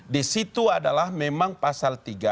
di situ adalah memang pasal tiga